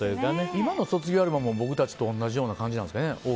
今の卒業アルバムも僕たちと同じ感じなんですかね？